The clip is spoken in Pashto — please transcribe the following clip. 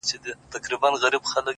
زما خوبونو په واوښتل.!